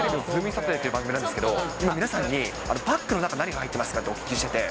サタデーという番組なんですけど、今、皆さんにバッグの中に何が入ってるかとお聞きしてて。